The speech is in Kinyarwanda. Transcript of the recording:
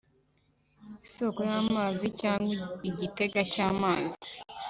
isoko y amazi cyangwa igitega cy amazi